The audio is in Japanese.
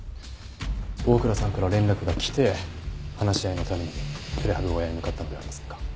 大倉さんから連絡が来て話し合いのためにプレハブ小屋に向かったのではありませんか？